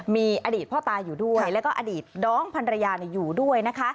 มีอดีตพ่อตาอยู่ด้วยแล้วก็อดีตน้องพันรยาอยู่ด้วยนะคะ